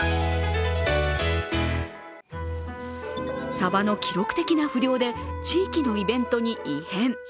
サバの記録的な不漁で地域のイベントに異変。